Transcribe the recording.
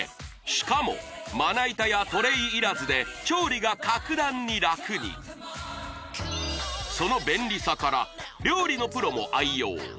しかもまな板やトレイいらずで調理が格段に楽にその便利さから料理のプロも愛用